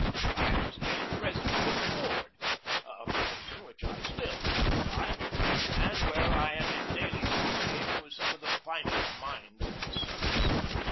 I was made President of the Board a position which I still occupy, and where I am in daily association with some of the finest minds in the service.